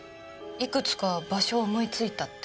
いくつか場所を思いついたって。